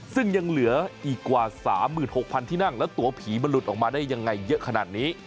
ซึ่งยังเหลืออีกกว่า๓๖๐๐ที่นั่งแล้วตัวผีมันหลุดออกมาได้ยังไงเยอะขนาดนี้